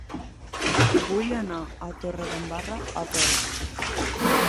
Vull anar a Torredembarra a peu.